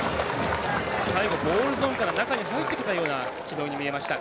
最後、ボールゾーンから中に入ってきたような軌道に見えました。